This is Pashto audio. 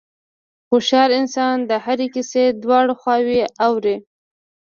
هوښیار انسان د هرې کیسې دواړه خواوې اوري.